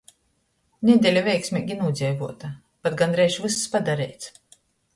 Nedeļa veiksmeigi nūdzeivuota, pat gondreiž vyss padareits.